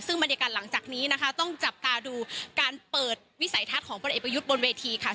ซึ่งบรรยากาศหลังจากนี้นะคะต้องจับตาดูการเปิดวิสัยทัศน์ของพลเอกประยุทธ์บนเวทีค่ะ